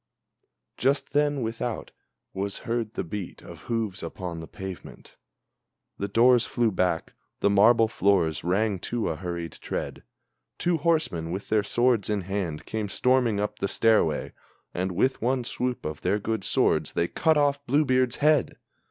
Just then, without, was heard the beat of hoofs upon the pavement, The doors flew back, the marble floors rang to a hurried tread. Two horsemen, with their swords in hand, came storming up the stairway, And with one swoop of their good swords they cut off Blue beard's head!